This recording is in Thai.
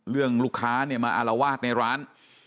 เรื่องลูกค้ามาอาราวาสในร้าน